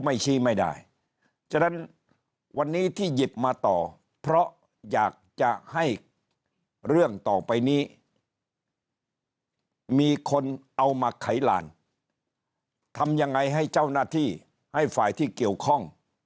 มีคนเอามาไขลานทำยังไงให้เจ้าหน้าที่ให้ฝ่ายที่เกี่ยวข้อง